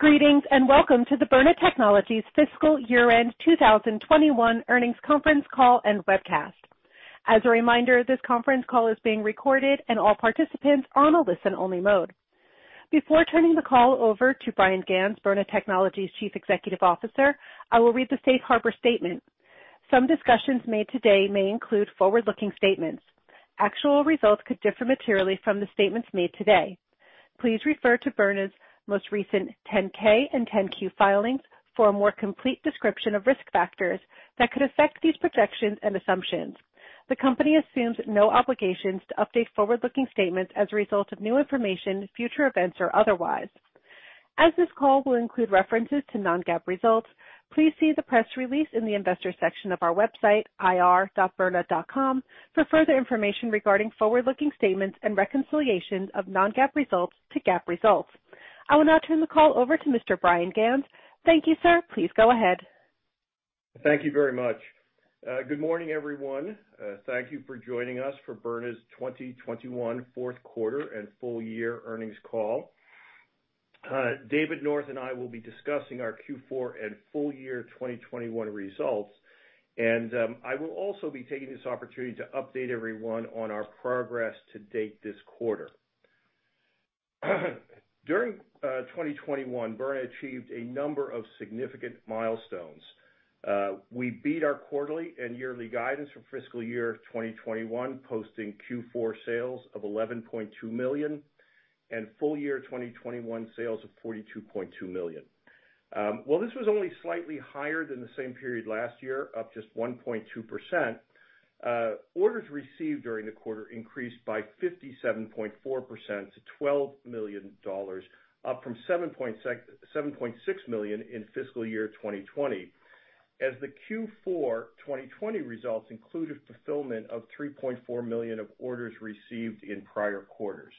Greetings, and welcome to the Byrna Technologies Fiscal Year-End 2021 Earnings Conference Call and Webcast. As a reminder, this conference call is being recorded and all participants are on a listen-only mode. Before turning the call over to Bryan Ganz, Byrna Technologies' Chief Executive Officer, I will read the safe harbor statement. Some discussions made today may include forward-looking statements. Actual results could differ materially from the statements made today. Please refer to Byrna's most recent 10-K and 10-Q filings for a more complete description of risk factors that could affect these projections and assumptions. The company assumes no obligations to update forward-looking statements as a result of new information, future events or otherwise. As this call will include references to non-GAAP results, please see the press release in the investor section of our website, ir.byrna.com, for further information regarding forward-looking statements and reconciliations of non-GAAP results to GAAP results. I will now turn the call over to Mr. Bryan Ganz. Thank you, sir. Please go ahead. Thank you very much. Good morning, everyone. Thank you for joining us for Byrna's 2021 fourth quarter and full year earnings call. David North and I will be discussing our Q4 and full year 2021 results, and I will also be taking this opportunity to update everyone on our progress to date this quarter. During 2021, Byrna achieved a number of significant milestones. We beat our quarterly and yearly guidance for fiscal year 2021, posting Q4 sales of $11.2 million and full year 2021 sales of $42.2 million. While this was only slightly higher than the same period last year, up just 1.2%, orders received during the quarter increased by 57.4% to $12 million, up from $7.6 million in fiscal year 2020. As the Q4 2020 results included fulfillment of $3.4 million of orders received in prior quarters.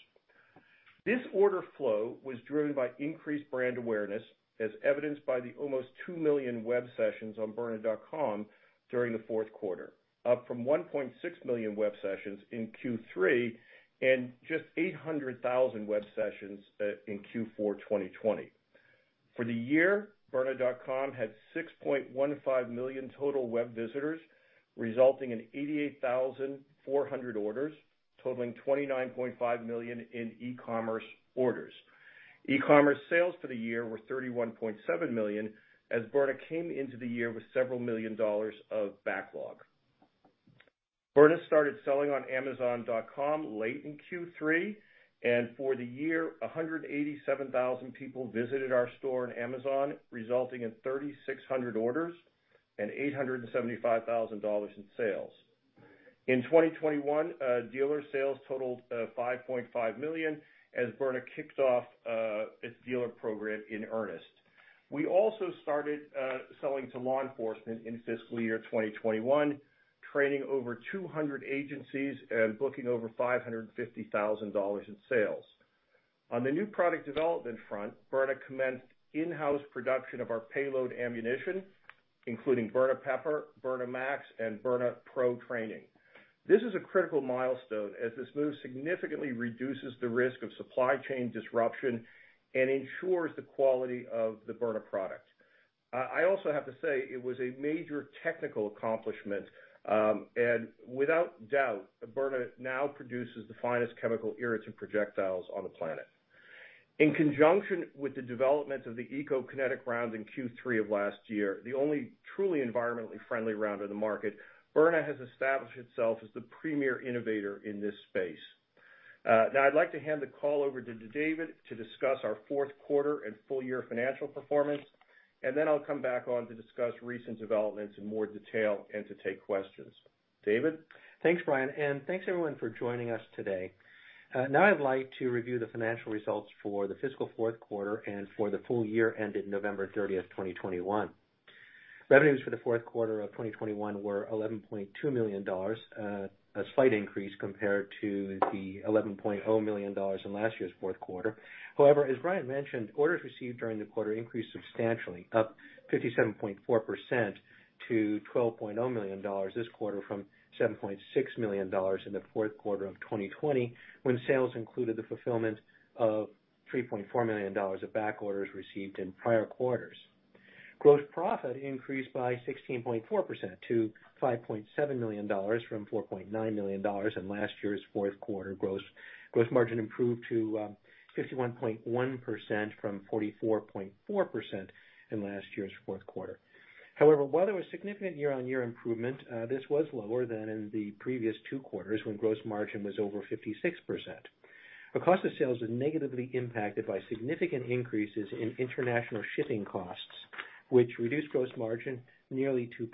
This order flow was driven by increased brand awareness, as evidenced by the almost 2 million web sessions on byrna.com during the fourth quarter, up from 1.6 million web sessions in Q3 and just 800,000 web sessions in Q4 2020. For the year, byrna.com had 6.15 million total web visitors, resulting in 88,400 orders, totaling $29.5 million in e-commerce orders. E-commerce sales for the year were $31.7 million, as Byrna came into the year with several million dollars of backlog. Byrna started selling on amazon.com late in Q3, and for the year, 187,000 people visited our store on Amazon, resulting in 3,600 orders and $875,000 in sales. In 2021, dealer sales totaled $5.5 million as Byrna kicked off its dealer program in earnest. We also started selling to law enforcement in fiscal year 2021, training over 200 agencies and booking over $550,000 in sales. On the new product development front, Byrna commenced in-house production of our payload ammunition, including Byrna Pepper, Byrna Max, and Byrna Pro Training. This is a critical milestone as this move significantly reduces the risk of supply chain disruption and ensures the quality of the Byrna product. I also have to say it was a major technical accomplishment, and without doubt, Byrna now produces the finest chemical irritant projectiles on the planet. In conjunction with the development of the Eco-Kinetic rounds in Q3 of last year, the only truly environmentally friendly round on the market, Byrna has established itself as the premier innovator in this space. Now I'd like to hand the call over to David to discuss our fourth quarter and full year financial performance, and then I'll come back on to discuss recent developments in more detail and to take questions. David? Thanks, Bryan, and thanks everyone for joining us today. Now I'd like to review the financial results for the fiscal fourth quarter and for the full year ended November 30th, 2021. Revenues for the fourth quarter of 2021 were $11.2 million, a slight increase compared to the $11.0 million in last year's fourth quarter. However, as Bryan mentioned, orders received during the quarter increased substantially, up 57.4% to $12.0 million this quarter from $7.6 million in the fourth quarter of 2020, when sales included the fulfillment of $3.4 million of back orders received in prior quarters. Gross profit increased by 16.4% to $5.7 million from $4.9 million in last year's fourth quarter. Gross margin improved to 51.1% from 44.4% in last year's fourth quarter. However, while there was significant year-on-year improvement, this was lower than in the previous two quarters when gross margin was over 56%. The cost of sales was negatively impacted by significant increases in international shipping costs, which reduced gross margin nearly 2%.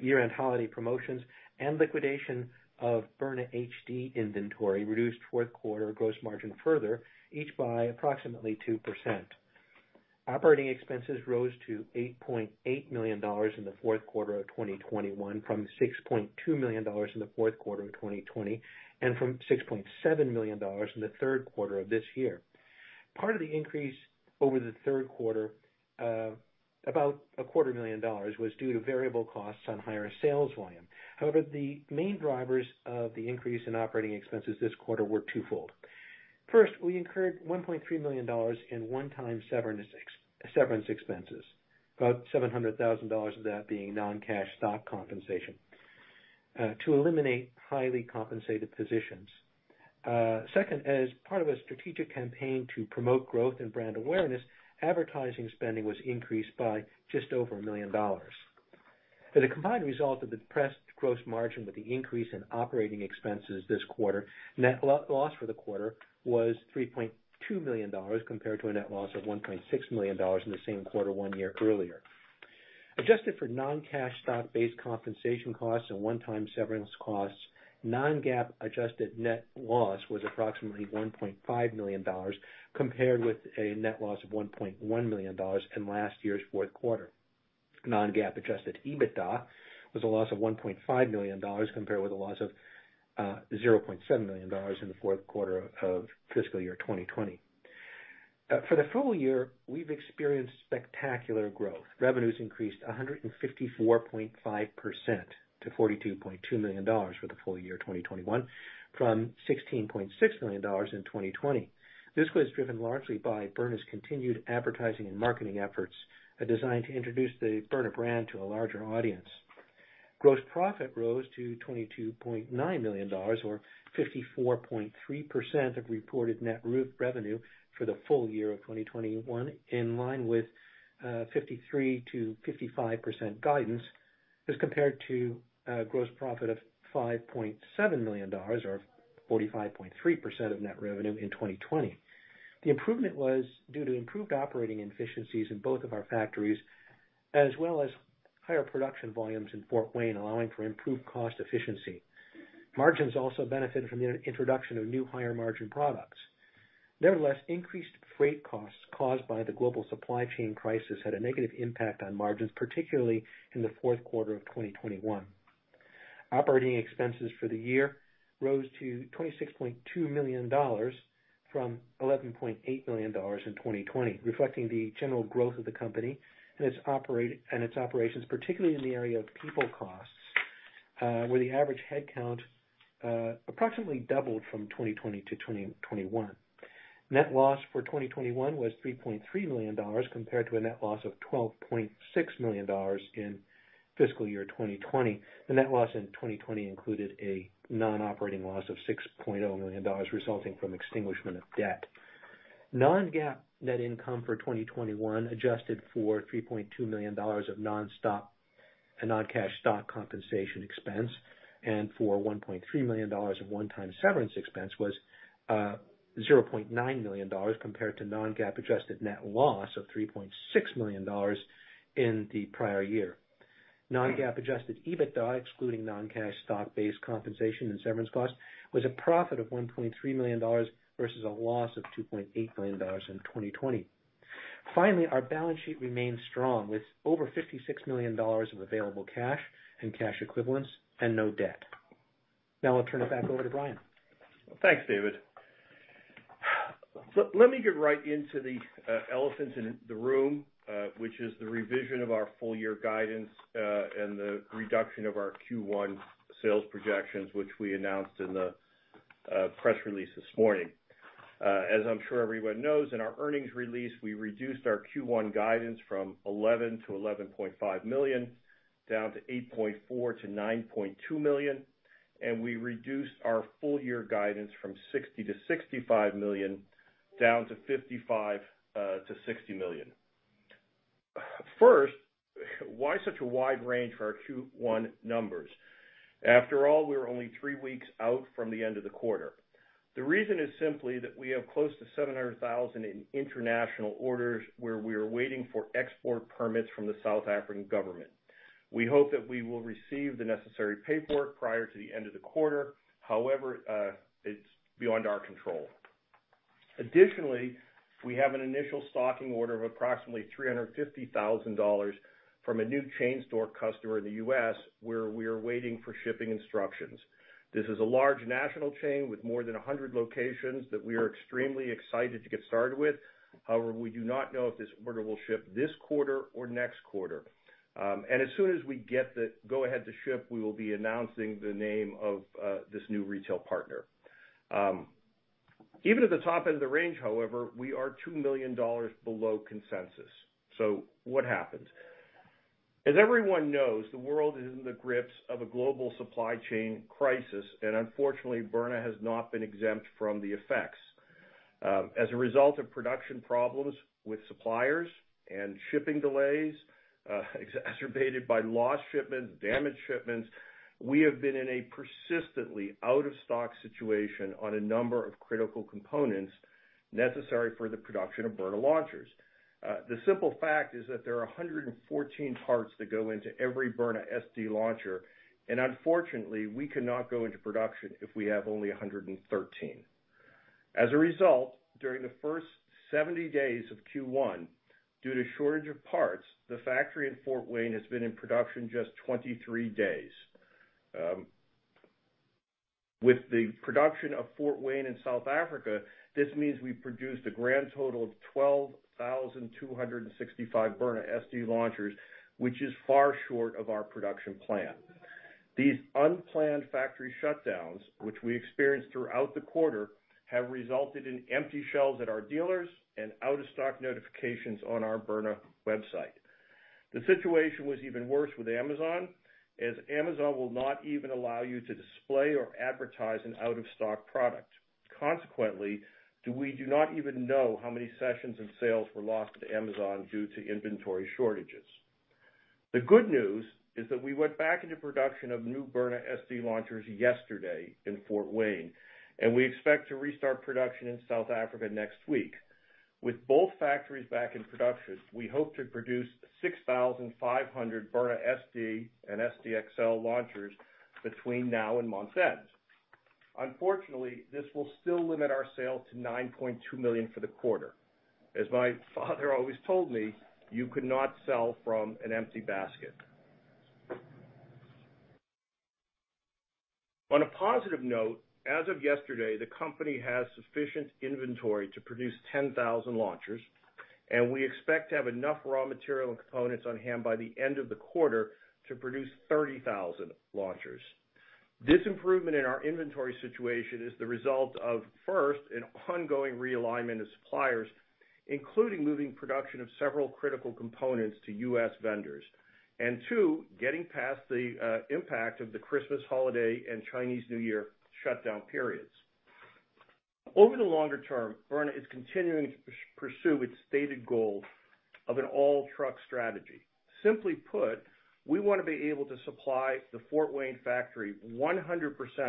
Year-end holiday promotions and liquidation of Byrna HD inventory reduced fourth quarter gross margin further, each by approximately 2%. Operating expenses rose to $8.8 million in the fourth quarter of 2021 from $6.2 million in the fourth quarter of 2020 and from $6.7 million in the third quarter of this year. Part of the increase over the third quarter, about a quarter million dollars was due to variable costs on higher sales volume. However, the main drivers of the increase in operating expenses this quarter were twofold. First, we incurred $1.3 million in one-time severance expenses, about $700,000 of that being non-cash stock compensation, to eliminate highly compensated positions. Second, as part of a strategic campaign to promote growth and brand awareness, advertising spending was increased by just over $1 million. As a combined result of the depressed gross margin with the increase in operating expenses this quarter, net loss for the quarter was $3.2 million compared to a net loss of $1.6 million in the same quarter one year earlier. Adjusted for non-cash stock-based compensation costs and one-time severance costs, non-GAAP adjusted net loss was approximately $1.5 million, compared with a net loss of $1.1 million in last year's fourth quarter. Non-GAAP adjusted EBITDA was a loss of $1.5 million compared with a loss of $0.7 million in the fourth quarter of fiscal year 2020. For the full year, we've experienced spectacular growth. Revenues increased 154.5% to $42.2 million for the full year 2021 from $16.6 million in 2020. This was driven largely by Byrna's continued advertising and marketing efforts, designed to introduce the Byrna brand to a larger audience. Gross profit rose to $22.9 million or 54.3% of reported net revenue for the full year of 2021, in line with 53%-55% guidance, as compared to a gross profit of $5.7 million or 45.3% of net revenue in 2020. The improvement was due to improved operating efficiencies in both of our factories, as well as higher production volumes in Fort Wayne, allowing for improved cost efficiency. Margins also benefited from the introduction of new higher margin products. Nevertheless, increased freight costs caused by the global supply chain crisis had a negative impact on margins, particularly in the fourth quarter of 2021. Operating expenses for the year rose to $26.2 million from $11.8 million in 2020, reflecting the general growth of the company and its operations, particularly in the area of people costs, where the average headcount approximately doubled from 2020 to 2021. Net loss for 2021 was $3.3 million compared to a net loss of $12.6 million in fiscal year 2020. The net loss in 2020 included a non-operating loss of $6.0 million resulting from extinguishment of debt. Non-GAAP net income for 2021 adjusted for $3.2 million of non-recurring and non-cash stock compensation expense, and for $1.3 million of one-time severance expense was $0.9 million dollars compared to non-GAAP adjusted net loss of $3.6 million in the prior year. Non-GAAP adjusted EBITDA, excluding non-cash stock-based compensation and severance costs, was a profit of $1.3 million versus a loss of $2.8 million in 2020. Finally, our balance sheet remains strong with over $56 million of available cash and cash equivalents and no debt. Now I'll turn it back over to Bryan. Thanks, David. Let me get right into the elephants in the room, which is the revision of our full year guidance and the reduction of our Q1 sales projections, which we announced in the press release this morning. As I'm sure everyone knows, in our earnings release, we reduced our Q1 guidance from $11-$11.5 million down to $8.4-$9.2 million, and we reduced our full year guidance from $60-$65 million down to $55-$60 million. First, why such a wide range for our Q1 numbers? After all, we're only three weeks out from the end of the quarter. The reason is simply that we have close to $700,000 in international orders where we are waiting for export permits from the South African government. We hope that we will receive the necessary paperwork prior to the end of the quarter. However, it's beyond our control. Additionally, we have an initial stocking order of approximately $350,000 from a new chain store customer in the U.S., where we are waiting for shipping instructions. This is a large national chain with more than 100 locations that we are extremely excited to get started with. However, we do not know if this order will ship this quarter or next quarter. As soon as we get the go ahead to ship, we will be announcing the name of this new retail partner. Even at the top end of the range, however, we are $2 million below consensus. What happened? As everyone knows, the world is in the grips of a global supply chain crisis, and unfortunately, Byrna has not been exempt from the effects. As a result of production problems with suppliers and shipping delays, exacerbated by lost shipments, damaged shipments, we have been in a persistently out-of-stock situation on a number of critical components necessary for the production of Byrna launchers. The simple fact is that there are 114 parts that go into every Byrna SD launcher, and unfortunately, we cannot go into production if we have only 113. As a result, during the first 70 days of Q1, due to shortage of parts, the factory in Fort Wayne has been in production just 23 days. With the production of Fort Wayne in South Africa, this means we produced a grand total of 12,265 Byrna SD launchers, which is far short of our production plan. These unplanned factory shutdowns, which we experienced throughout the quarter, have resulted in empty shelves at our dealers and out-of-stock notifications on our Byrna website. The situation was even worse with Amazon, as Amazon will not even allow you to display or advertise an out-of-stock product. Consequently, we do not even know how many sessions and sales were lost to Amazon due to inventory shortages. The good news is that we went back into production of new Byrna SD launchers yesterday in Fort Wayne, and we expect to restart production in South Africa next week. With both factories back in production, we hope to produce 6,500 Byrna SD and SD XL launchers between now and month end. Unfortunately, this will still limit our sales to $9.2 million for the quarter. As my father always told me, "You could not sell from an empty basket." On a positive note, as of yesterday, the company has sufficient inventory to produce 10,000 launchers, and we expect to have enough raw material and components on hand by the end of the quarter to produce 30,000 launchers. This improvement in our inventory situation is the result of, first, an ongoing realignment of suppliers, including moving production of several critical components to U.S. vendors. Two, getting past the impact of the Christmas holiday and Chinese New Year shutdown periods. Over the longer term, Byrna is continuing to pursue its stated goal of an all-truck strategy. Simply put, we want to be able to supply the Fort Wayne factory 100%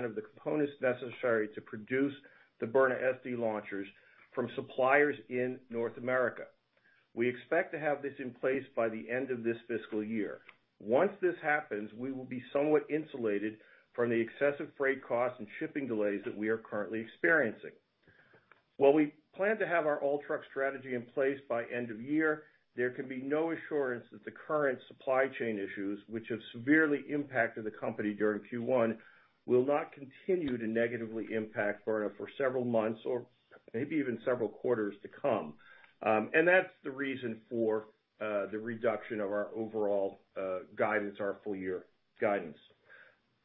of the components necessary to produce the Byrna SD Launchers from suppliers in North America. We expect to have this in place by the end of this fiscal year. Once this happens, we will be somewhat insulated from the excessive freight costs and shipping delays that we are currently experiencing. While we plan to have our all-truck strategy in place by end of year, there can be no assurance that the current supply chain issues, which have severely impacted the company during Q1, will not continue to negatively impact Byrna for several months or maybe even several quarters to come. That's the reason for the reduction of our overall guidance, our full-year guidance.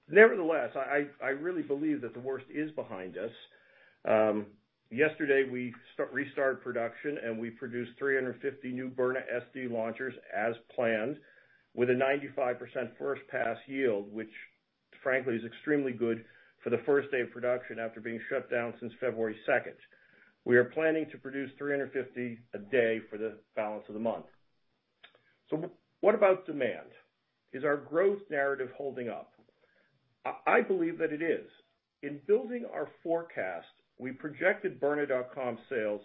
Nevertheless, I really believe that the worst is behind us. Yesterday, we restart production and we produced 350 new Byrna SD Launchers as planned with a 95% first pass yield, which frankly is extremely good for the first day of production after being shut down since February second. We are planning to produce 350 a day for the balance of the month. What about demand? Is our growth narrative holding up? I believe that it is. In building our forecast, we projected byrna.com sales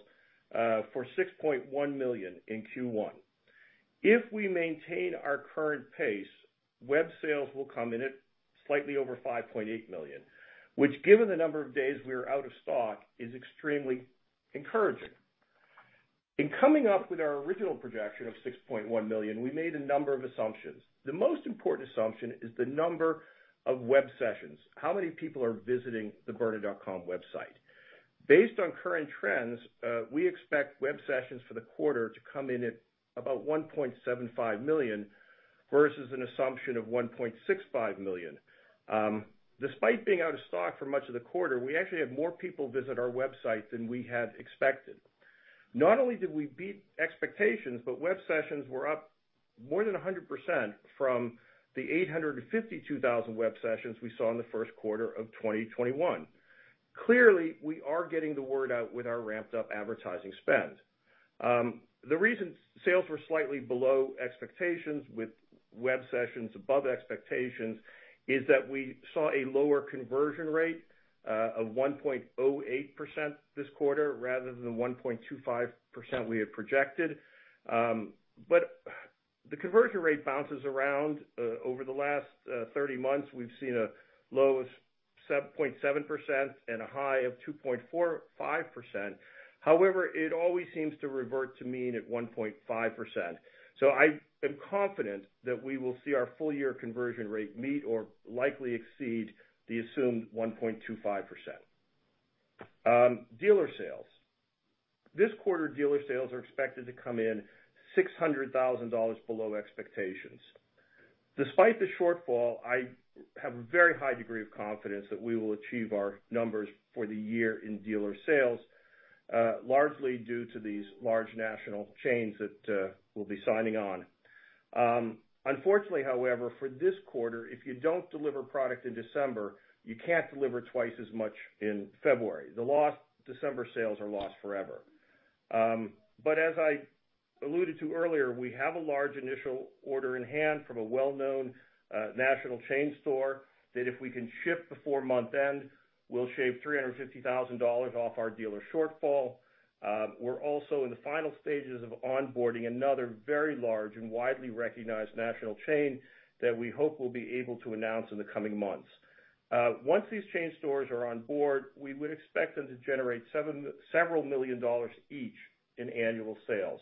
for $6.1 million in Q1. If we maintain our current pace, web sales will come in at slightly over $5.8 million, which given the number of days we are out of stock, is extremely encouraging. In coming up with our original projection of $6.1 million, we made a number of assumptions. The most important assumption is the number of web sessions. How many people are visiting the byrna.com website? Based on current trends, we expect web sessions for the quarter to come in at about 1.75 million, versus an assumption of 1.65 million. Despite being out of stock for much of the quarter, we actually had more people visit our website than we had expected. Not only did we beat expectations, but web sessions were up more than 100% from the 852,000 web sessions we saw in the first quarter of 2021. Clearly, we are getting the word out with our ramped-up advertising spend. The reason sales were slightly below expectations with web sessions above expectations is that we saw a lower conversion rate of 1.08% this quarter rather than the 1.25% we had projected. The conversion rate bounces around. Over the last 30 months, we've seen a low of 7.7% and a high of 2.45%. However, it always seems to revert to mean at 1.5%. I am confident that we will see our full-year conversion rate meet or likely exceed the assumed 1.25%. Dealer sales. This quarter, dealer sales are expected to come in $600,000 below expectations. Despite the shortfall, I have a very high degree of confidence that we will achieve our numbers for the year in dealer sales, largely due to these large national chains that will be signing on. Unfortunately, however, for this quarter, if you don't deliver product in December, you can't deliver twice as much in February. The lost December sales are lost forever. As I alluded to earlier, we have a large initial order in-hand from a well-known national chain store that if we can ship before month end, we'll shave $350,000 off our dealer shortfall. We're also in the final stages of onboarding another very large and widely recognized national chain that we hope we'll be able to announce in the coming months. Once these chain stores are on board, we would expect them to generate several million dollars each in annual sales.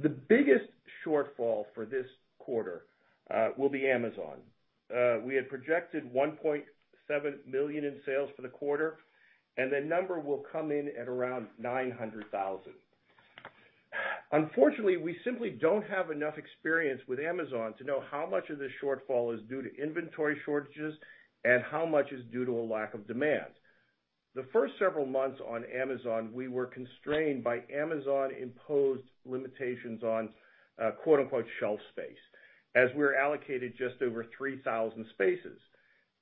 The biggest shortfall for this quarter will be Amazon. We had projected $1.7 million in sales for the quarter, and that number will come in at around $900,000. Unfortunately, we simply don't have enough experience with Amazon to know how much of this shortfall is due to inventory shortages and how much is due to a lack of demand. The first several months on Amazon, we were constrained by Amazon-imposed limitations on quote-unquote shelf space, as we were allocated just over 3,000 spaces.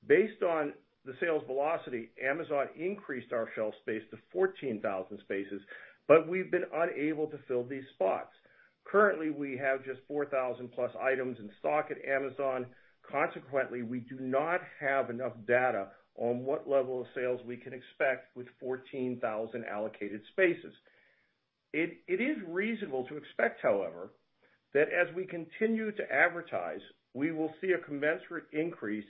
Based on the sales velocity, Amazon increased our shelf space to 14,000 spaces, but we've been unable to fill these spots. Currently, we have just 4,000-plus items in stock at Amazon. Consequently, we do not have enough data on what level of sales we can expect with 14,000 allocated spaces. It is reasonable to expect, however, that as we continue to advertise, we will see a commensurate increase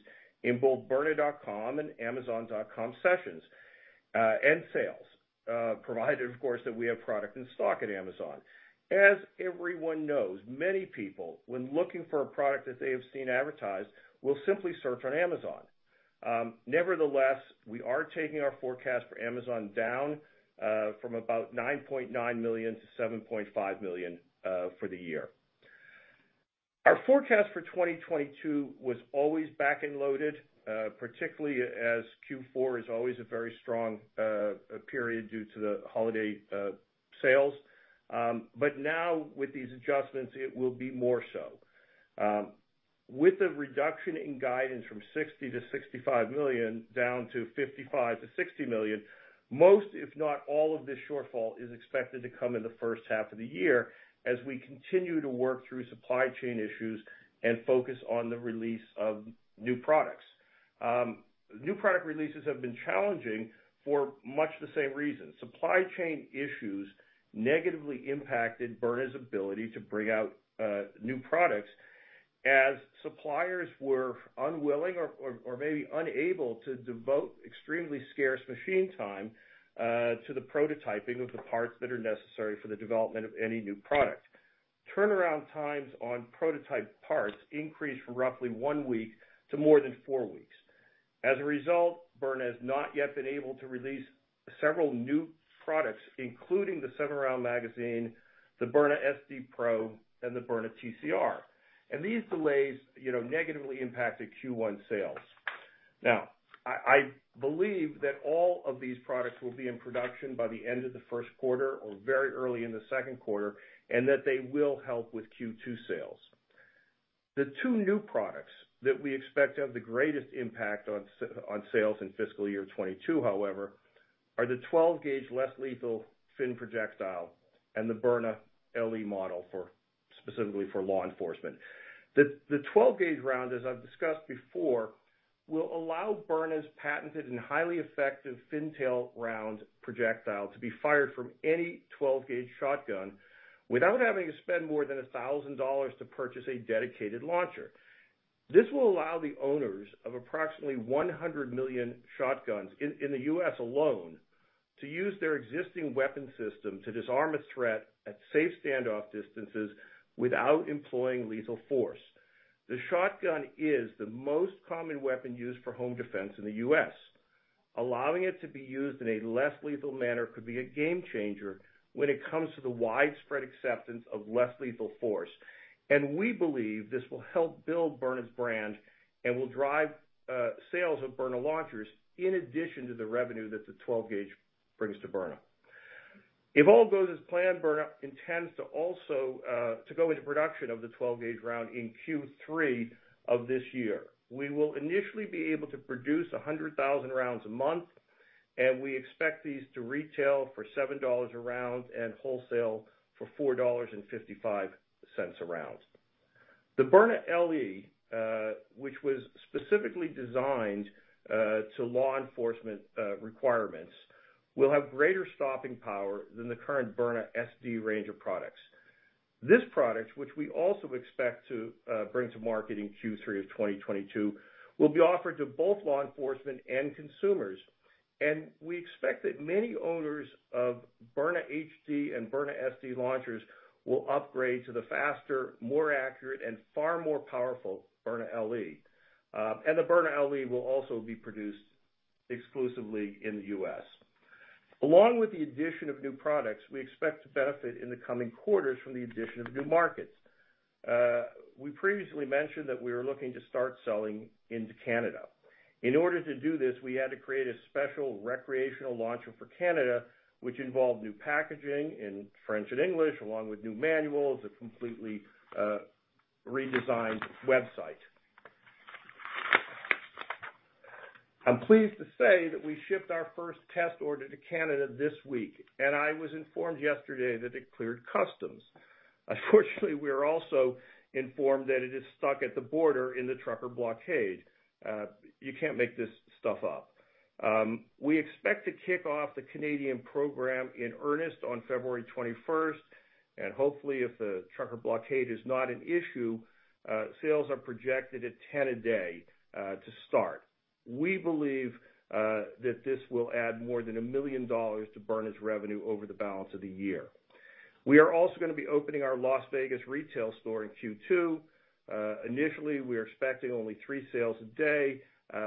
in both byrna.com and amazon.com sessions and sales, provided, of course, that we have product in stock at Amazon. Nevertheless, we are taking our forecast for Amazon down from about $9.9-$7.5 million for the year. Our forecast for 2022 was always back-end loaded, particularly as Q4 is always a very strong period due to the holiday sales. Now with these adjustments, it will be more so. With the reduction in guidance from $60-$65 million down to $55-$60 million, most, if not all of this shortfall is expected to come in the first half of the year as we continue to work through supply chain issues and focus on the release of new products. New product releases have been challenging for much the same reason. Supply chain issues negatively impacted Byrna's ability to bring out new products as suppliers were unwilling or maybe unable to devote extremely scarce machine time to the prototyping of the parts that are necessary for the development of any new product. Turnaround times on prototype parts increased from roughly one week to more than four weeks. As a result, Byrna has not yet been able to release several new products, including the seven-round magazine, the Byrna SD Pro, and the Byrna TCR. These delays, you know, negatively impacted Q1 sales. Now, I believe that all of these products will be in production by the end of the first quarter or very early in the second quarter, and that they will help with Q2 sales. The two new products that we expect to have the greatest impact on sales in fiscal year 2022, however, are the twelve gauge less lethal fin projectile and the Byrna LE model for, specifically for law enforcement. The twelve gauge round, as I've discussed before, will allow Byrna's patented and highly effective fin tail round projectile to be fired from any twelve gauge shotgun without having to spend more than $1,000 to purchase a dedicated launcher. This will allow the owners of approximately 100 million shotguns in the U.S. alone to use their existing weapon system to disarm a threat at safe standoff distances without employing lethal force. The shotgun is the most common weapon used for home defense in the U.S. Allowing it to be used in a less lethal manner could be a game changer when it comes to the widespread acceptance of less lethal force. We believe this will help build Byrna's brand and will drive sales of Byrna launchers in addition to the revenue that the 12-gauge brings to Byrna. If all goes as planned, Byrna intends to also go into production of the 12-gauge round in Q3 of this year. We will initially be able to produce 100,000 rounds a month, and we expect these to retail for $7 a round and wholesale for $4.55 a round. The Byrna LE, which was specifically designed to law enforcement requirements, will have greater stopping power than the current Byrna SD range of products. This product, which we also expect to bring to market in Q3 of 2022, will be offered to both law enforcement and consumers. We expect that many owners of Byrna HD and Byrna SD launchers will upgrade to the faster, more accurate, and far more powerful Byrna LE. The Byrna LE will also be produced exclusively in the U.S. Along with the addition of new products, we expect to benefit in the coming quarters from the addition of new markets. We previously mentioned that we were looking to start selling into Canada. In order to do this, we had to create a special recreational launcher for Canada, which involved new packaging in French and English, along with new manuals, a completely redesigned website. I'm pleased to say that we shipped our first test order to Canada this week, and I was informed yesterday that it cleared customs. Unfortunately, we are also informed that it is stuck at the border in the trucker blockade. You can't make this stuff up. We expect to kick off the Canadian program in earnest on February 21, and hopefully, if the trucker blockade is not an issue, sales are projected at 10 a day to start. We believe that this will add more than $1 million to Byrna's revenue over the balance of the year. We are also gonna be opening our Las Vegas retail store in Q2. Initially, we're expecting only three sales a day,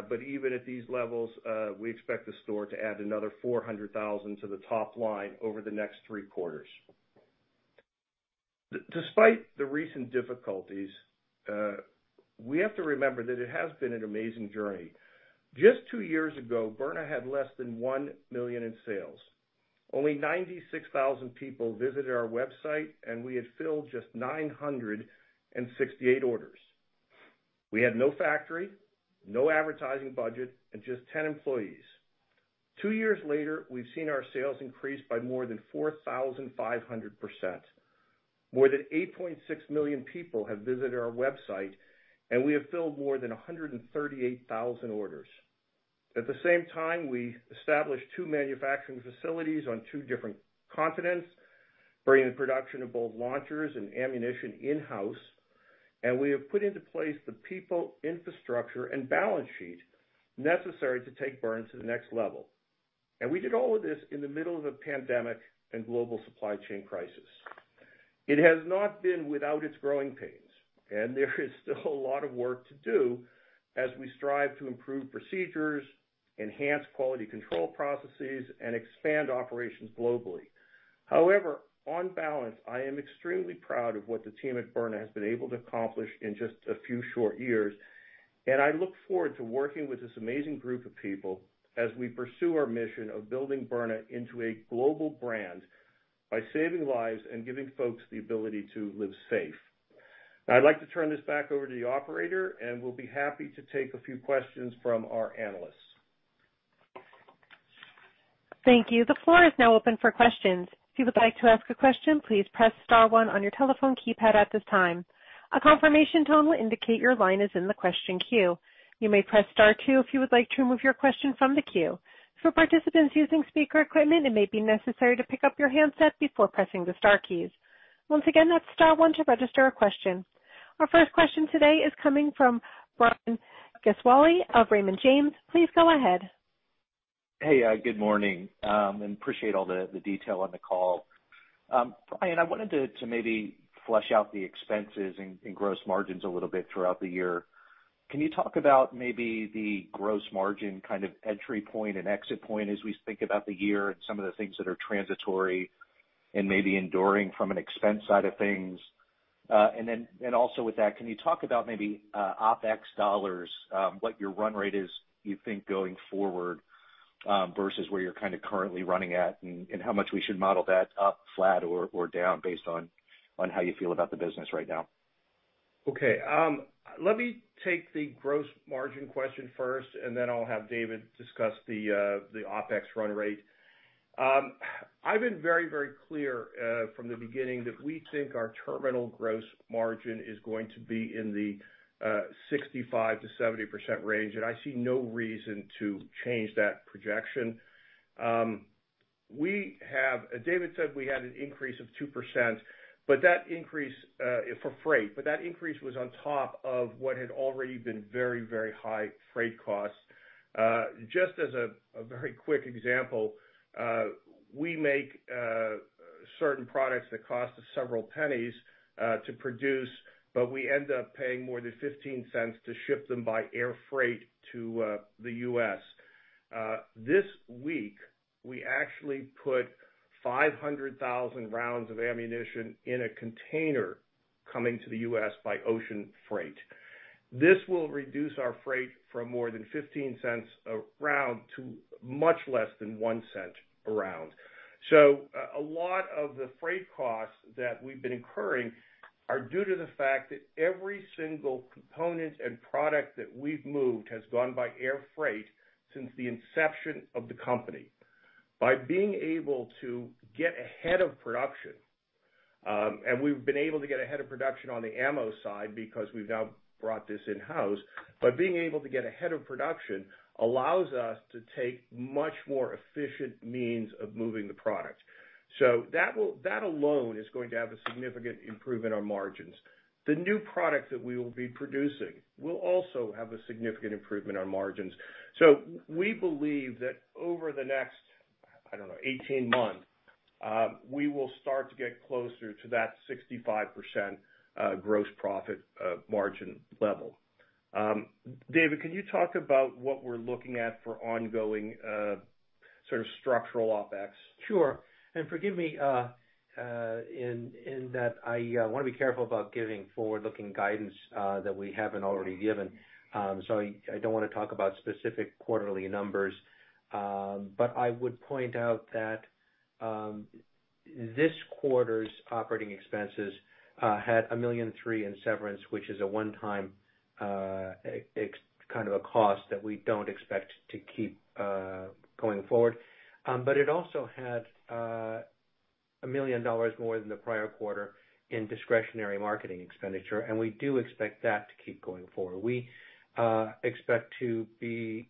but even at these levels, we expect the store to add another $400,000 to the top line over the next three quarters. Despite the recent difficulties, we have to remember that it has been an amazing journey. Just two years ago, Byrna had less than $1 million in sales. Only 96,000 people visited our website, and we had filled just 968 orders. We had no factory, no advertising budget, and just 10 employees. Two years later, we've seen our sales increase by more than 4,500%. More than 8.6 million people have visited our website, and we have filled more than 138,000 orders. At the same time, we established two manufacturing facilities on two different continents, bringing production of both launchers and ammunition in-house, and we have put into place the people, infrastructure, and balance sheet necessary to take Byrna to the next level. We did all of this in the middle of a pandemic and global supply chain crisis. It has not been without its growing pains, and there is still a lot of work to do as we strive to improve procedures, enhance quality control processes, and expand operations globally. However, on balance, I am extremely proud of what the team at Byrna has been able to accomplish in just a few short years, and I look forward to working with this amazing group of people as we pursue our mission of building Byrna into a global brand by saving lives and giving folks the ability to live safe. I'd like to turn this back over to the Operator, and we'll be happy to take a few questions from our analysts. Thank you. The floor is now open for questions. If you would like to ask a question, please press star one on your telephone keypad at this time. A confirmation tone will indicate your line is in the question queue. You may press star two if you would like to remove your question from the queue. For participants using speaker equipment, it may be necessary to pick up your handset before pressing the star keys. Once again, that's star one to register a question. Our first question today is coming from Brian Gesuale of Raymond James. Please go ahead. Hey, good morning, appreciate all the detail on the call. Bryan, I wanted to maybe flesh out the expenses and gross margins a little bit throughout the year. Can you talk about maybe the gross margin kind of entry point and exit point as we think about the year and some of the things that are transitory and maybe enduring from an expense side of things? Also with that, can you talk about maybe OpEx dollars, what your run rate is, you think, going forward, versus where you're kinda currently running at and how much we should model that up, flat, or down based on how you feel about the business right now? Okay, let me take the gross margin question first, and then I'll have David discuss the OpEx run rate. I've been very, very clear from the beginning that we think our terminal gross margin is going to be in the 65%-70% range, and I see no reason to change that projection. David said we had an increase of 2%, but that increase for freight was on top of what had already been very, very high freight costs. Just as a very quick example, we make certain products that cost us several pennies to produce, but we end up paying more than $0.15 to ship them by air freight to the U.S. This week, we actually put 500,000 rounds of ammunition in a container coming to the U.S. by ocean freight. This will reduce our freight from more than $0.15 a round to much less than $0.01 a round. A lot of the freight costs that we've been incurring are due to the fact that every single component and product that we've moved has gone by air freight since the inception of the company. We've been able to get ahead of production on the ammo side because we've now brought this in-house. By being able to get ahead of production allows us to take much more efficient means of moving the product. That alone is going to have a significant improvement on margins. The new product that we will be producing will also have a significant improvement on margins. We believe that over the next, I don't know, 18 months, we will start to get closer to that 65% gross profit margin level. David, can you talk about what we're looking at for ongoing sort of structural OpEx? Sure. Forgive me in that I wanna be careful about giving forward-looking guidance that we haven't already given. I don't wanna talk about specific quarterly numbers. I would point out that this quarter's operating expenses had $1.003 million in severance, which is a one-time kind of a cost that we don't expect to keep going forward. It also had $1 million more than the prior quarter in discretionary marketing expenditure, and we do expect that to keep going forward. We expect to be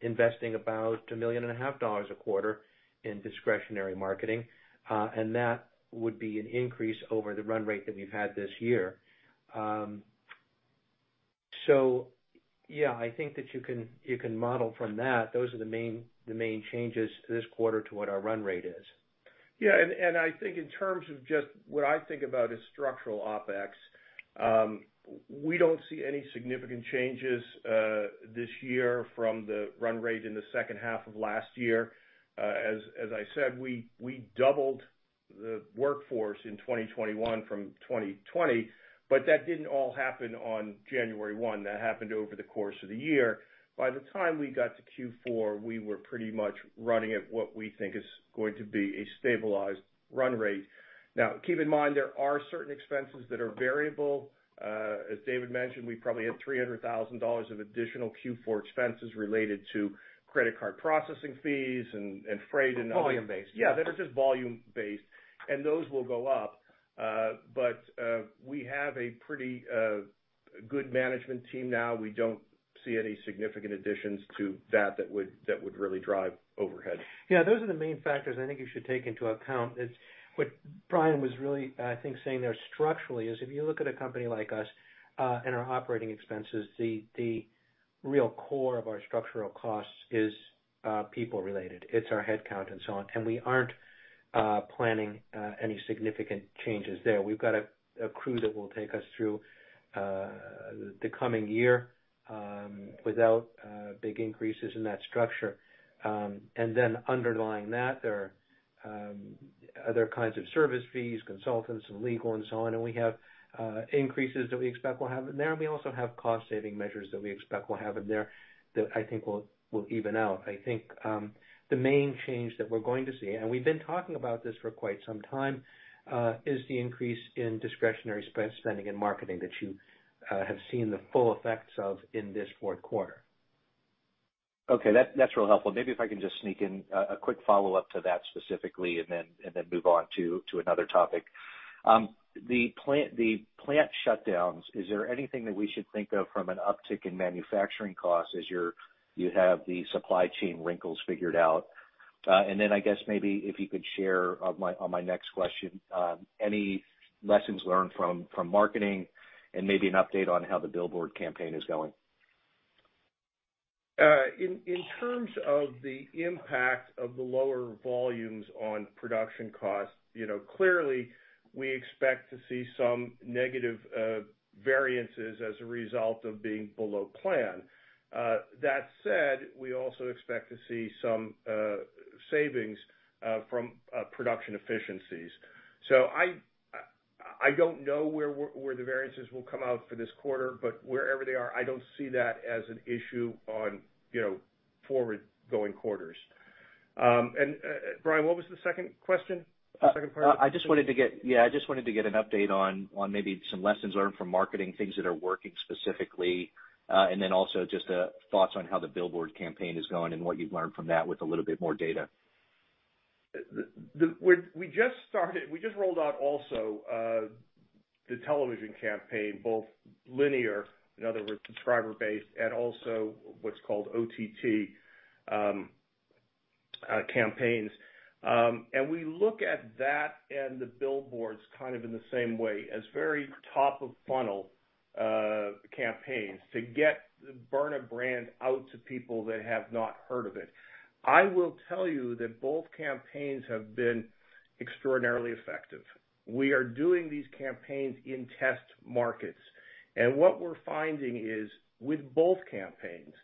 investing about $1.5 million a quarter in discretionary marketing, and that would be an increase over the run rate that we've had this year. Yeah, I think that you can model from that. Those are the main changes this quarter to what our run rate is. I think in terms of just what I think about as structural OpEx, we don't see any significant changes this year from the run rate in the second half of last year. I said, we doubled the workforce in 2021 from 2020, but that didn't all happen on January 1. That happened over the course of the year. By the time we got to Q4, we were pretty much running at what we think is going to be a stabilized run rate. Now, keep in mind there are certain expenses that are variable. As David mentioned, we probably had $300,000 of additional Q4 expenses related to credit card processing fees and freight. Volume-based. Yeah, that is just volume-based, and those will go up. We have a pretty good management team now. We don't see any significant additions to that that would really drive overhead. Yeah, those are the main factors I think you should take into account. What Bryan was really, I think, saying there structurally is if you look at a company like us, and our operating expenses, the real core of our structural costs is people-related. It's our headcount and so on, and we aren't planning any significant changes there. We've got a crew that will take us through the coming year without big increases in that structure. Underlying that, there are other kinds of service fees, consultants and legal and so on, and we have increases that we expect we'll have in there, and we also have cost saving measures that we expect we'll have in there that I think will even out. I think, the main change that we're going to see, and we've been talking about this for quite some time, is the increase in discretionary spending and marketing that you, have seen the full effects of in this fourth quarter. Okay. That's real helpful. Maybe if I can just sneak in a quick follow-up to that specifically and then move on to another topic. The plant shutdowns, is there anything that we should think of from an uptick in manufacturing costs as you have the supply chain wrinkles figured out? I guess maybe if you could share on my next question, any lessons learned from marketing and maybe an update on how the billboard campaign is going. In terms of the impact of the lower volumes on production costs, you know, clearly we expect to see some negative variances as a result of being below plan. That said, we also expect to see some savings from production efficiencies. I don't know where the variances will come out for this quarter, but wherever they are, I don't see that as an issue on forward-going quarters. Brian, what was the second question? Second part? I just wanted to get an update on maybe some lessons learned from marketing, things that are working specifically. Also just thoughts on how the billboard campaign is going and what you've learned from that with a little bit more data. We just rolled out also the television campaign, both linear, in other words, subscriber-based, and also what's called OTT campaigns. We look at that and the billboards kind of in the same way as very top of funnel campaigns to get the Byrna brand out to people that have not heard of it. I will tell you that both campaigns have been extraordinarily effective. We are doing these campaigns in test markets, and what we're finding is with both campaigns,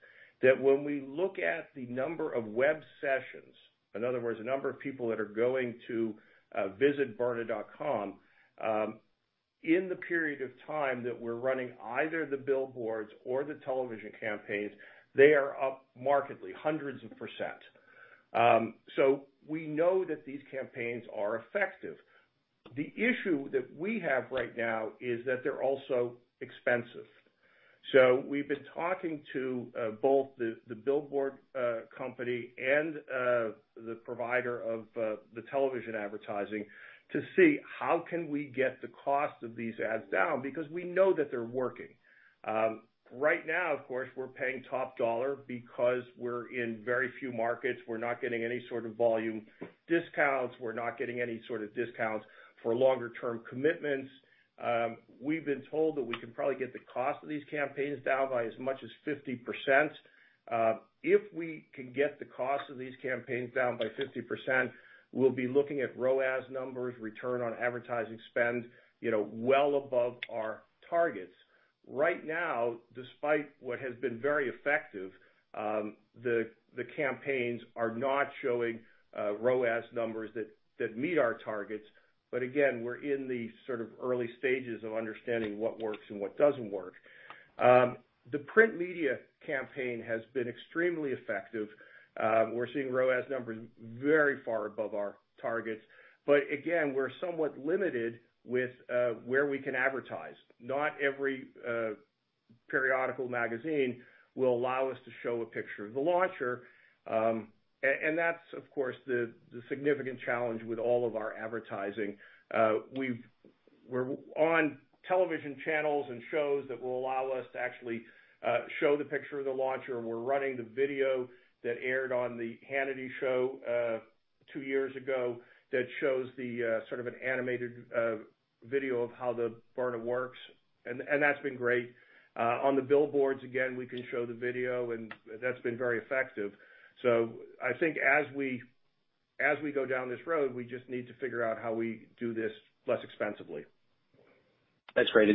that when we look at the number of web sessions, in other words, the number of people that are going to visit byrna.com in the period of time that we're running either the billboards or the television campaigns, they are up markedly, hundreds of percent. We know that these campaigns are effective. The issue that we have right now is that they're also expensive. We've been talking to both the billboard company and the provider of the television advertising to see how can we get the cost of these ads down because we know that they're working. Right now, of course, we're paying top dollar because we're in very few markets. We're not getting any sort of volume discounts. We're not getting any sort of discounts for longer term commitments. We've been told that we can probably get the cost of these campaigns down by as much as 50%. If we can get the cost of these campaigns down by 50%, we'll be looking at ROAS numbers, return on advertising spend, you know, well above our targets. Right now, despite what has been very effective, the campaigns are not showing ROAS numbers that meet our targets. Again, we're in the sort of early stages of understanding what works and what doesn't work. The print media campaign has been extremely effective. We're seeing ROAS numbers very far above our targets. Again, we're somewhat limited with where we can advertise. Not every periodical magazine will allow us to show a picture of the launcher. That's, of course, the significant challenge with all of our advertising. We're on television channels and shows that will allow us to actually show the picture of the launcher, and we're running the video that aired on the Hannity show two years ago that shows the sort of an animated video of how the Byrna works, and that's been great. On the billboards, again, we can show the video and that's been very effective. I think as we go down this road, we just need to figure out how we do this less expensively. That's great.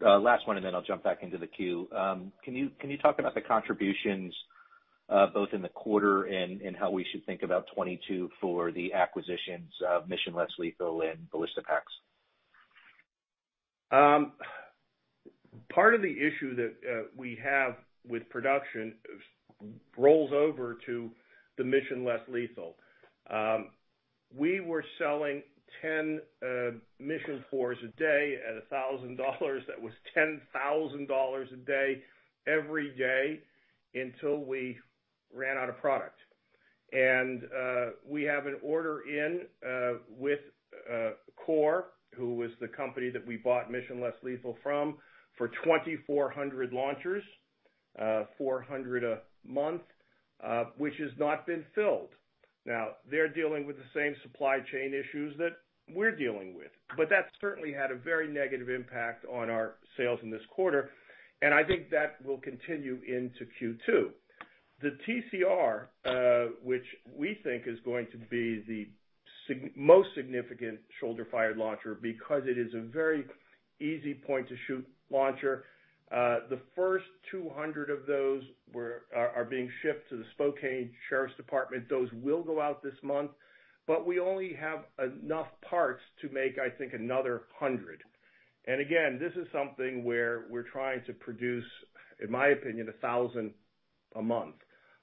Last one, then I'll jump back into the queue. Can you talk about the contributions both in the quarter and how we should think about 2022 for the acquisitions of Mission Less Lethal and Ballistipax? Part of the issue that we have with production rolls over to the Mission Less Lethal. We were selling 10 Mission 4s a day at $1,000. That was $10,000 a day, every day until we ran out of product. We have an order in with Kore, who was the company that we bought Mission Less Lethal from, for 2,400 launchers, 400 a month, which has not been filled. Now they're dealing with the same supply chain issues that we're dealing with, but that certainly had a very negative impact on our sales in this quarter, and I think that will continue into Q2. The TCR, which we think is going to be the single most significant shoulder-fired launcher because it is a very easy point-and-shoot launcher. The first 200 of those are being shipped to the Spokane County Sheriff's Office. Those will go out this month, but we only have enough parts to make, I think, another 100. Again, this is something where we're trying to produce, in my opinion, 1,000 a month.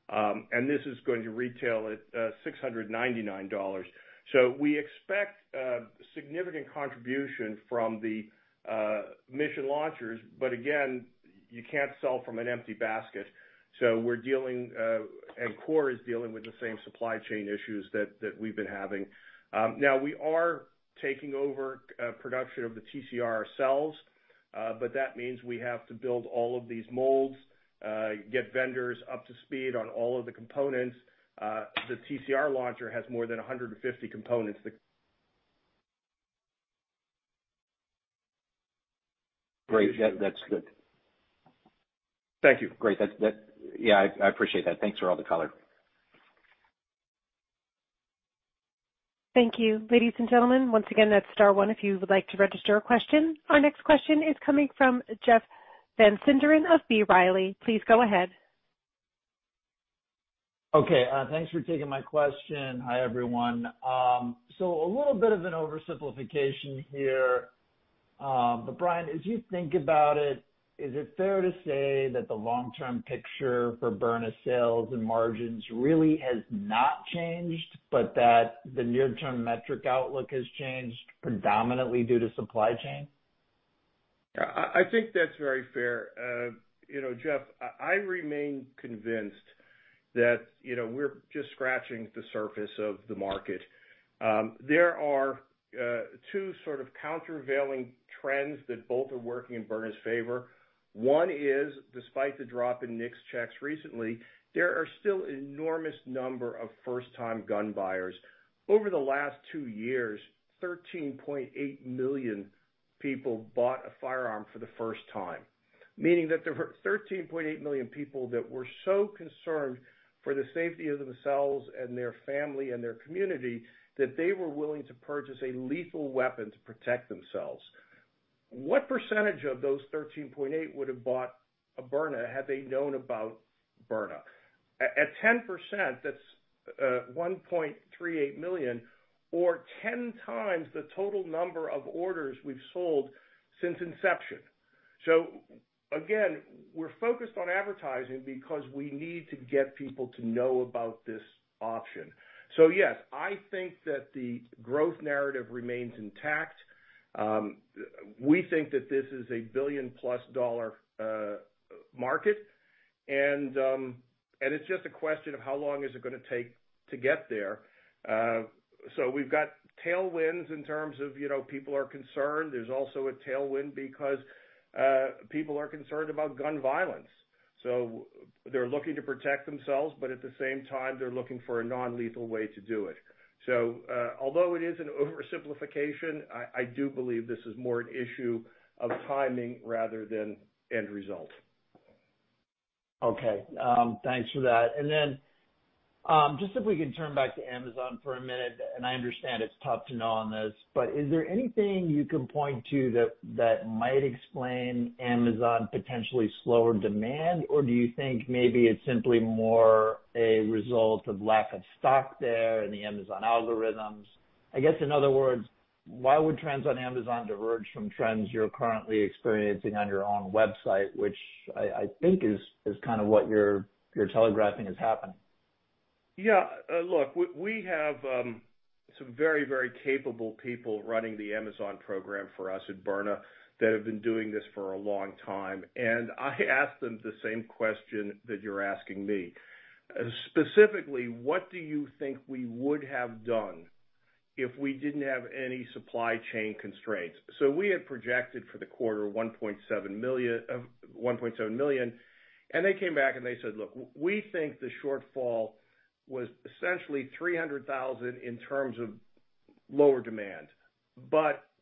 This is going to retail at $699. We expect significant contribution from the Mission launchers, but again, you can't sell from an empty basket. We're dealing, and Kore Outdoor is dealing with the same supply chain issues that we've been having. Now we are taking over production of the TCR ourselves, but that means we have to build all of these molds, get vendors up to speed on all of the components. The TCR launcher has more than 150 components. Great. Yeah, that's good. Thank you. Great. That's. Yeah, I appreciate that. Thanks for all the color. Thank you. Ladies and gentlemen, once again, that's star one if you would like to register a question. Our next question is coming from Jeff Van Sinderen of B. Riley. Please go ahead. Thanks for taking my question. Hi, everyone. A little bit of an oversimplification here. Bryan, as you think about it, is it fair to say that the long-term picture for Byrna sales and margins really has not changed, but that the near-term metric outlook has changed predominantly due to supply chain? I think that's very fair. You know, Jeff, I remain convinced that, you know, we're just scratching the surface of the market. There are two sort of countervailing trends that both are working in Byrna's favor. One is, despite the drop in NICS checks recently, there are still enormous number of first-time gun buyers. Over the last two years, 13.8 million people bought a firearm for the first time, meaning that there were 13.8 million people that were so concerned for the safety of themselves and their family and their community that they were willing to purchase a lethal weapon to protect themselves. What percentage of those 13.8 would have bought a Byrna had they known about Byrna? At 10%, that's 1.38 million or 10x the total number of orders we've sold since inception. Again, we're focused on advertising because we need to get people to know about this option. Yes, I think that the growth narrative remains intact. We think that this is +$1 market, and it's just a question of how long is it gonna take to get there? We've got tailwinds in terms of, you know, people are concerned. There's also a tailwind because people are concerned about gun violence, so they're looking to protect themselves, but at the same time, they're looking for a non-lethal way to do it. Although it is an oversimplification, I do believe this is more an issue of timing rather than end result. Okay. Thanks for that. Just if we can turn back to Amazon for a minute, and I understand it's tough to know on this, but is there anything you can point to that might explain Amazon potentially slower demand? Or do you think maybe it's simply more a result of lack of stock there in the Amazon algorithms? I guess, in other words, why would trends on Amazon diverge from trends you're currently experiencing on your own website, which I think is kinda what you're telegraphing is happening. Yeah. Look, we have some very capable people running the Amazon program for us at Byrna that have been doing this for a long time, and I asked them the same question that you're asking me. Specifically, what do you think we would have done if we didn't have any supply chain constraints? We had projected for the quarter $1.7 million, and they came back and they said, "Look, we think the shortfall was essentially $300,000 in terms of lower demand.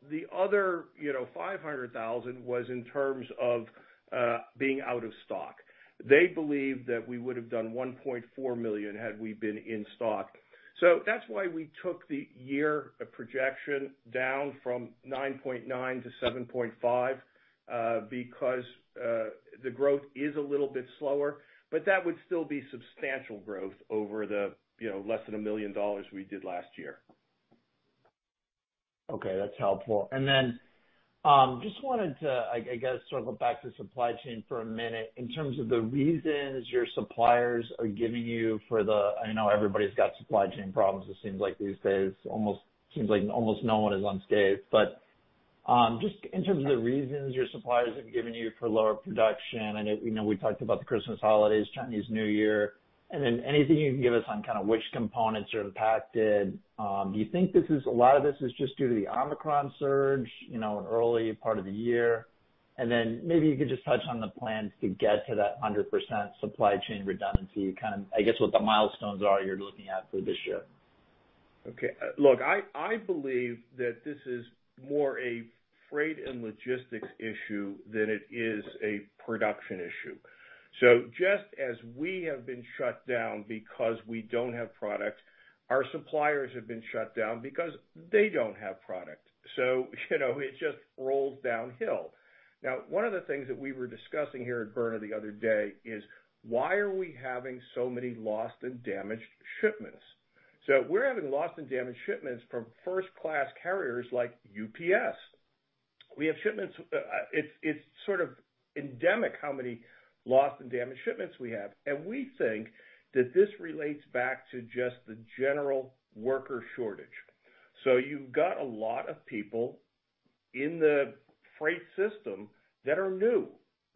The other 500,000 was in terms of being out of stock. They believe that we would have done $1.4 million had we been in stock. That's why we took the year projection down from $9.9-$7.5 million, because the growth is a little bit slower, but that would still be substantial growth over the, you know, less than $1 million we did last year. Okay, that's helpful. Just wanted to, I guess, sort of go back to supply chain for a minute. In terms of the reasons your suppliers are giving you, I know everybody's got supply chain problems. It seems like these days almost no one is unscathed. Just in terms of the reasons your suppliers have given you for lower production, we know we talked about the Christmas holidays, Chinese New Year, and then anything you can give us on kind of which components are impacted. Do you think a lot of this is just due to the Omicron surge, you know, in early part of the year? Maybe you could just touch on the plans to get to that 100% supply chain redundancy, kind of, I guess, what the milestones are you're looking at for this year. I believe that this is more a freight and logistics issue than it is a production issue. Just as we have been shut down because we don't have product, our suppliers have been shut down because they don't have product. You know, it just rolls downhill. Now, one of the things that we were discussing here at Byrna the other day is why are we having so many lost and damaged shipments? We are having lost and damaged shipments from first-class carriers like UPS. It is sort of endemic how many lost and damaged shipments we have. We think that this relates back to just the general worker shortage. You've got a lot of people in the freight system that are new,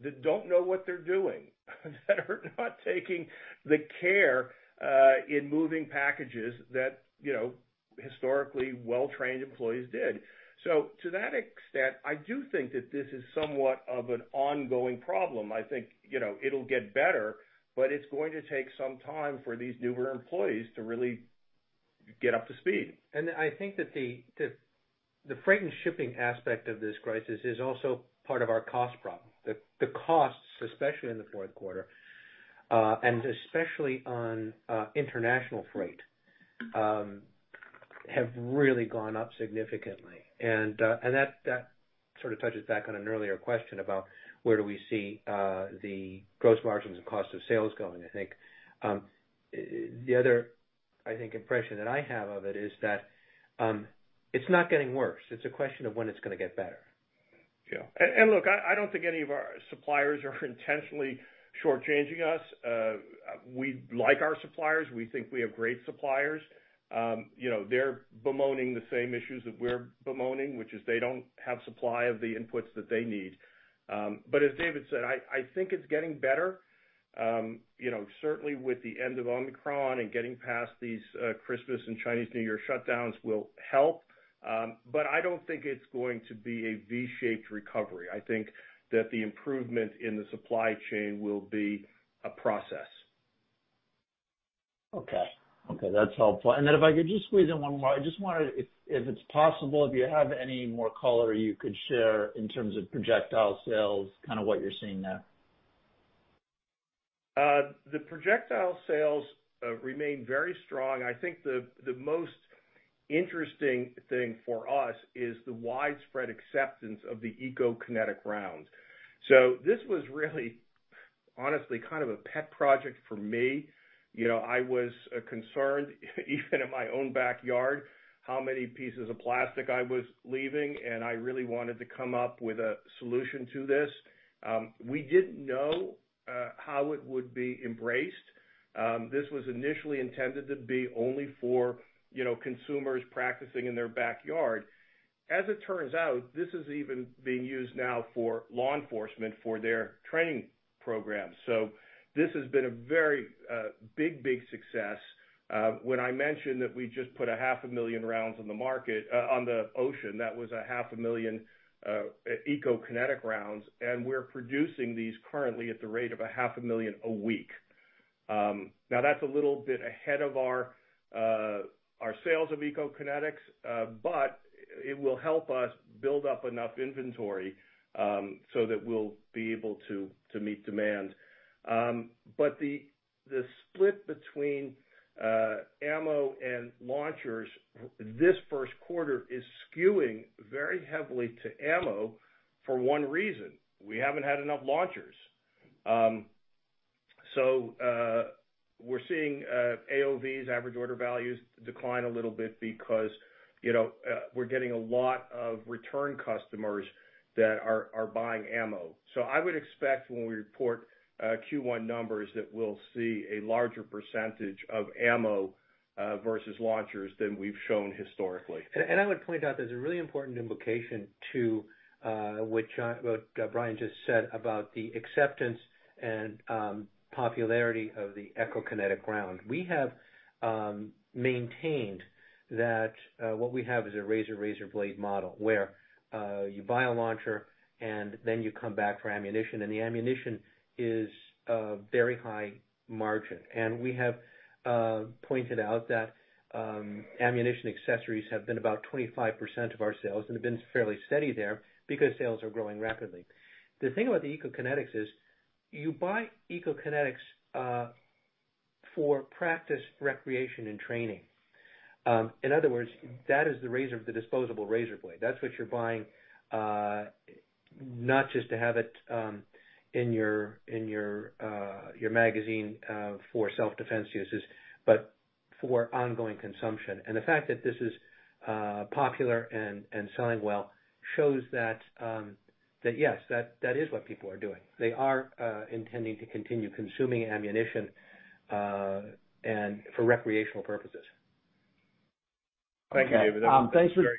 that don't know what they're doing, that are not taking the care in moving packages that, you know, historically well-trained employees did. To that extent, I do think that this is somewhat of an ongoing problem. I think, you know, it'll get better, but it's going to take some time for these newer employees to really get up to speed. I think that the freight and shipping aspect of this crisis is also part of our cost problem. The costs, especially in the fourth quarter, and especially on international freight, have really gone up significantly. And that sort of touches back on an earlier question about where do we see the gross margins and cost of sales going. I think the other impression that I have of it is that it's not getting worse. It's a question of when it's gonna get better. Yeah. Look, I don't think any of our suppliers are intentionally short-changing us. We like our suppliers. We think we have great suppliers. You know, they're bemoaning the same issues that we're bemoaning, which is they don't have supply of the inputs that they need. As David said, I think it's getting better. You know, certainly with the end of Omicron and getting past these Christmas and Chinese New Year shutdowns will help. I don't think it's going to be a V-shaped recovery. I think that the improvement in the supply chain will be a process. Okay. Okay, that's helpful. If I could just squeeze in one more. I just wondered if it's possible, if you have any more color you could share in terms of projectile sales, kind of what you're seeing now. The projectile sales remain very strong. I think the most interesting thing for us is the widespread acceptance of the Eco-Kinetic rounds. This was really honestly kind of a pet project for me. You know, I was concerned, even in my own backyard, how many pieces of plastic I was leaving, and I really wanted to come up with a solution to this. We didn't know how it would be embraced. This was initially intended to be only for, you know, consumers practicing in their backyard. As it turns out, this is even being used now for law enforcement for their training programs. This has been a very big success. When I mentioned that we just put 500,000 rounds on the market, on the ocean, that was 500,000 Eco-Kinetic rounds, and we're producing these currently at the rate of 500,000 a week. Now that's a little bit ahead of our sales of Eco-Kinetics, but it will help us build up enough inventory, so that we'll be able to meet demand. The split between ammo and launchers this first quarter is skewing very heavily to ammo for one reason. We haven't had enough launchers. We're seeing AOVs, average order values, decline a little bit because, you know, we're getting a lot of return customers that are buying ammo. I would expect when we report Q1 numbers that we'll see a larger percentage of ammo versus launchers than we've shown historically. I would point out there's a really important implication to what Brian just said about the acceptance and popularity of the Eco-Kinetic round. We have maintained that what we have is a razor-blade model, where you buy a launcher and then you come back for ammunition, and the ammunition is very high margin. We have pointed out that ammunition accessories have been about 25% of our sales and have been fairly steady there because sales are growing rapidly. The thing about the Eco-Kinetics is you buy Eco-Kinetics for practice, recreation, and training. In other words, that is the razor, the disposable razor blade. That's what you're buying, not just to have it in your magazine for self-defense uses, but for ongoing consumption. The fact that this is popular and selling well shows that that is what people are doing. They are intending to continue consuming ammunition and for recreational purposes. Thank you, David. Okay. Thanks. That's a very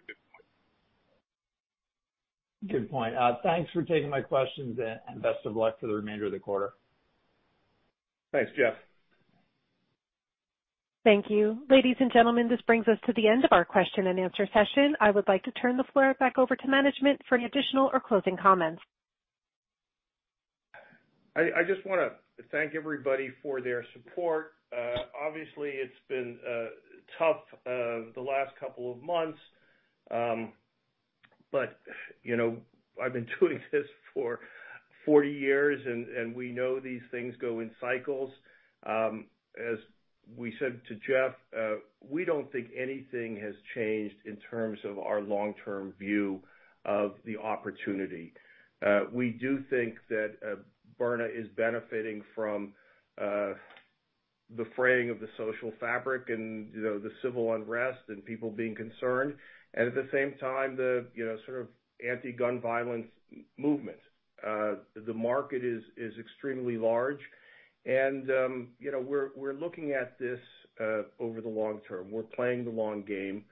good point. Thanks for taking my questions and best of luck for the remainder of the quarter. Thanks, Jeff. Thank you. Ladies and gentlemen, this brings us to the end of our question and answer session. I would like to turn the floor back over to management for any additional or closing comments. I just want to thank everybody for their support. Obviously, it's been tough the last couple of months. You know, I've been doing this for 40 years and we know these things go in cycles. As we said to Jeff, we don't think anything has changed in terms of our long-term view of the opportunity. We do think that Byrna is benefiting from the fraying of the social fabric and, you know, the civil unrest and people being concerned. At the same time, you know, sort of anti-gun violence movement. The market is extremely large and, you know, we're looking at this over the long term. We're playing the long game.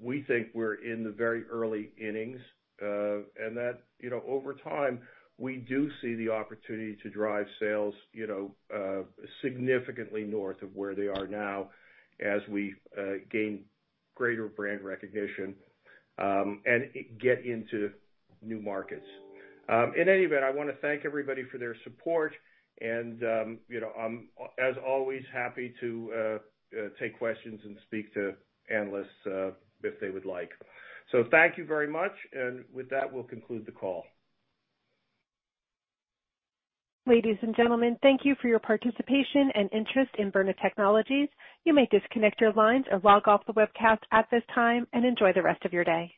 We think we're in the very early innings, and that, you know, over time, we do see the opportunity to drive sales, you know, significantly north of where they are now as we gain greater brand recognition, and get into new markets. In any event, I wanna thank everybody for their support and, you know, I'm, as always, happy to take questions and speak to analysts, if they would like. Thank you very much, and with that, we'll conclude the call. Ladies and gentlemen, thank you for your participation and interest in Byrna Technologies. You may disconnect your lines or log off the webcast at this time, and enjoy the rest of your day.